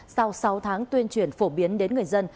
sau sáu tháng tuyên truyền phổ biến đến người dân